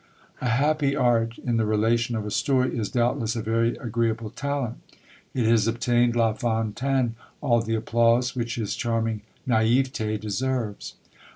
A happy art in the relation of a story is, doubtless, a very agreeable talent; it has obtained La Fontaine all the applause which his charming naïveté deserves.